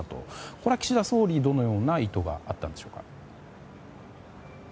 これは岸田総理、どのような意図があったんでしょうか。